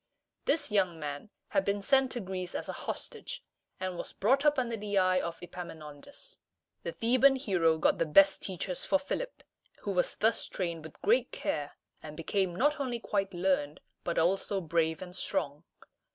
This young man had been sent to Greece as a hostage, and was brought up under the eye of Epaminondas. The Theban hero got the best teachers for Philip, who was thus trained with great care, and became not only quite learned, but also brave and strong.